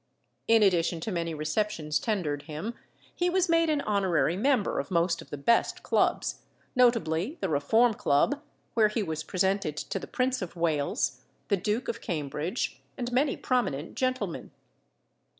In addition to many receptions tendered him, he was made an honorary member of most of the best clubs, notably the Reform Club, where he was presented to the Prince of Wales, the Duke of Cambridge, and many prominent gentlemen.